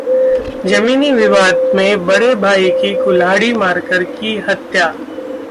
जमीनी विवाद में बड़े भाई की कुल्हाड़ी मारकर की हत्या